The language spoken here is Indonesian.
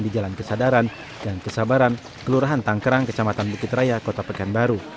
di jalan kesadaran dan kesabaran kelurahan tangkerang kecamatan bukit raya kota pekanbaru